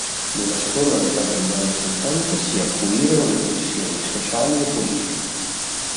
Nella seconda metà degli anni settanta si acuirono le tensioni sociali e politiche.